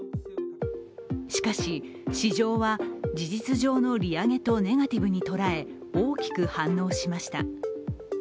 しかし、市場は事実上の利上げとネガティブに捉え、大きく反応しました。